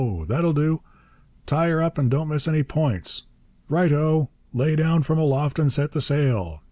'That'll do! Tie her up and don't miss any points!' 'Right oh! Lay down from aloft and set the sail!'